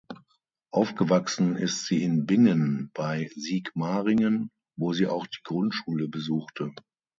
Aufgewachsen ist sie in Bingen bei Sigmaringen, wo sie auch die Grundschule besuchte.